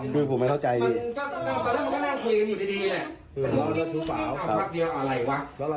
ดื่มเหรอ